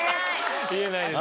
言えないです。